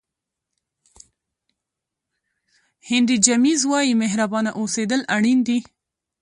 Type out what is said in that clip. هینري جمیز وایي مهربانه اوسېدل اړین دي.